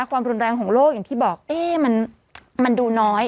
ความรุนแรงของโลกอย่างที่บอกมันดูน้อย